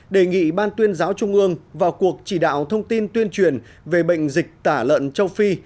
đề nghị ban tuyên giáo trung ương vào cuộc chỉ đạo thông tin tuyên truyền về bệnh dịch tả lợn châu phi